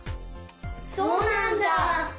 そうなんだ。